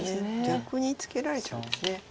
逆にツケられちゃうんです。